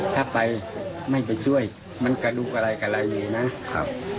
ถ้าไปไม่ไปช่วยมันกระดูกอะไรหนึ่งนะ